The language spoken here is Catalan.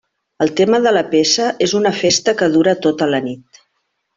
El tema de la peça és una festa que dura tota la nit.